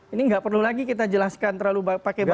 ini nggak perlu lagi kita jelaskan terlalu banyak